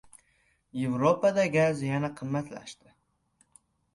Yevropada gaz yana qimmatlashmoqda